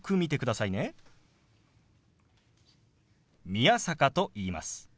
宮坂と言います。